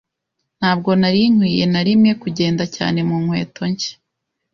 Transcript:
Ntabwo nari nkwiye na rimwe kugenda cyane mu nkweto nshya.